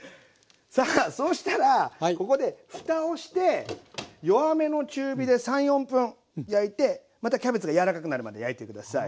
さあそうしたらここでふたをして弱めの中火で３４分焼いてまたキャベツが柔らかくなるまで焼いて下さい。